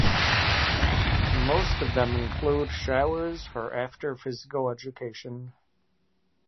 Most of them include showers for after Physical Education.